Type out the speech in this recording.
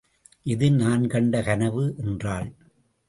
இது நான் கண்ட கனவு என்றாள்.